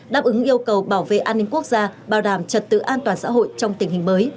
đáp ứng yêu cầu bảo vệ an ninh quốc gia bảo đảm trật tự an toàn xã hội trong tình hình mới